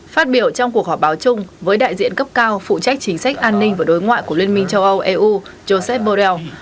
phát biểu trong cuộc họp báo chung với đại diện cấp cao phụ trách chính sách an ninh và đối ngoại của liên minh châu âu eu joseph borrell